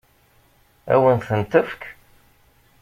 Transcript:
Ad wen-ten-tefk?